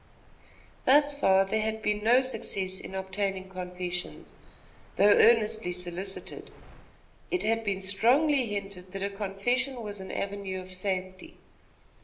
Thus far there had been no success in obtaining confessions, though earnestly solicited. It had been strongly hinted that a confession was an avenue of safety.